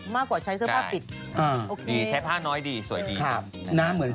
ไม่ต้องทำอะไรเลยสบายมาก